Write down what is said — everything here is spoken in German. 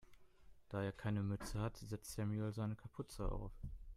Da er keine Mütze hat, setzt Samuel seine Kapuze auf.